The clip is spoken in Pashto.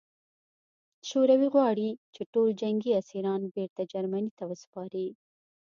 شوروي غواړي چې ټول جنګي اسیران بېرته جرمني ته وسپاري